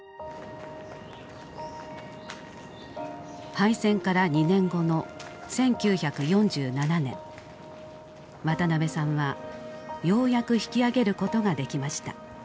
敗戦から２年後の１９４７年渡辺さんはようやく引き揚げることができました。